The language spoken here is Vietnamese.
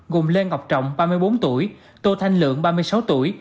gồm lê ngọc trọng ba mươi bốn tuổi tô thanh lượng ba mươi sáu tuổi